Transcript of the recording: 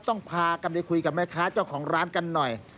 พากันไปคุยกับแม่ค้าเจ้าของร้านกันหน่อย